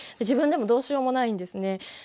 自分でもどうしようもないんですね。